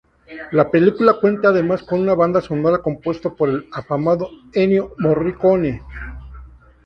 La película cuenta además con una banda sonora compuesta por el afamado Ennio Morricone.